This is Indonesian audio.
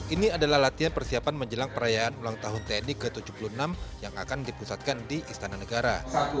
ini adalah latihan persiapan menjelang perayaan ulang tahun tni ke tujuh puluh enam yang akan dipusatkan di istana negara